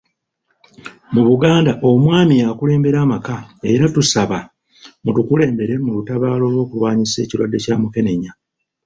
Mu Buganda omwami y'akulembera amaka era tusaba mutukulembere mu lutabaalo olw'okulwanyisa ekirwadde kya Mukenenya..